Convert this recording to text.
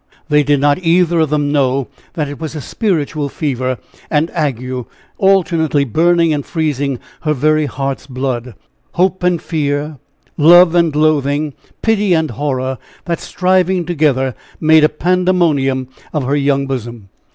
they did not either of them know that it was a spiritual fever and ague alternately burning and freezing her very heart's blood hope and fear, love and loathing, pity and horror, that striving together made a pandemonium of her young bosom.